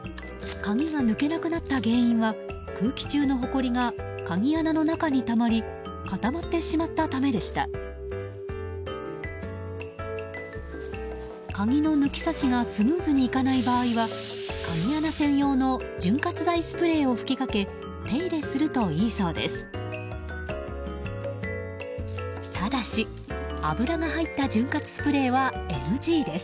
鍵の抜き差しがスムーズにいかない場合は鍵穴専用の潤滑剤スプレーを吹きかけ手入れするといいそうです。